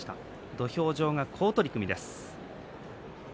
土俵上が好取組です。